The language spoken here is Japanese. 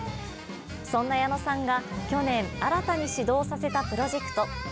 そんな矢野さんが去年新たに始動させたプロジェクト。